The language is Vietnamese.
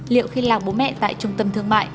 liệu khi làm bố mẹ tại trung tâm thương mại